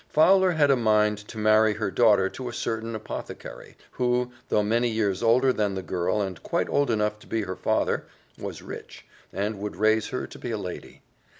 Fowler had a mind to marry her daughter to a certain apothecary, who, though many years older than the girl, and quite old enough to be her father, was rich, and would raise her to be a lady.